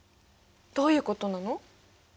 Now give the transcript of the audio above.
どういうことなの？